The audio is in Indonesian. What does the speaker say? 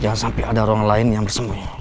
jangan sampai ada orang lain yang bersembunyi